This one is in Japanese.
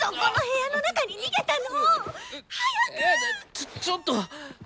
ちょちょっと。